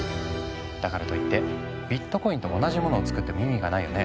だからといってビットコインと同じものを作っても意味がないよね。